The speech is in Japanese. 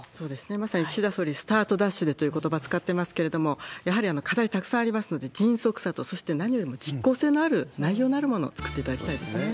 まさに岸田総理、スタートダッシュでということば、使ってますけれども、やはり課題たくさんありますので、迅速さと、そして、何よりも実効性のある、内容のあるものを作っていただきたいですね。